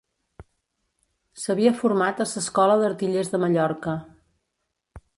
S'havia format a s'escola d'artillers de Mallorca.